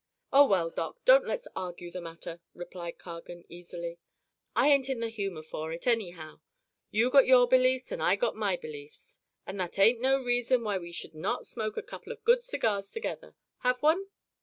"Oh, well, Doc, don't let's argue the matter," replied Cargan easily. "I ain't in the humor for it, anyhow. You got your beliefs, and I got my beliefs. And that ain't no reason why we should not smoke a couple of good cigars together. Have one?"